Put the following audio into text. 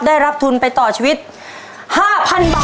ได้รับทุนไปต่อชีวิต๕๐๐๐บาท